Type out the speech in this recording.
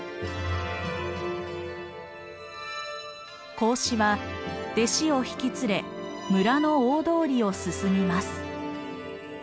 孔子は弟子を引き連れ村の大通りを進みます。